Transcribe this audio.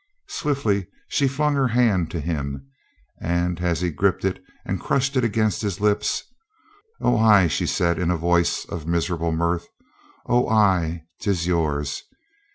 Swiftly she flung her hand to him, and as he gripped it and crushed it against his lips : "Oh, ay," she said in a voice of miserable mirth. "Oh, ay, 'tis yours."